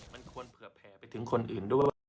มันควรเผื่อแผ่ไปถึงคนอื่นด้วย